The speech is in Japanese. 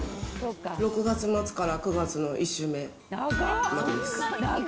６月末から９月の１週目までです。